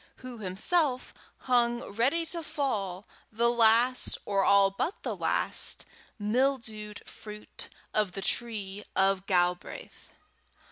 who himself hung ready to fall, the last, or all but the last, mildewed fruit of the tree of Galbraith!